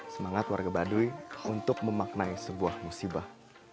semangat warga baduy untuk memaknai sebuah musibah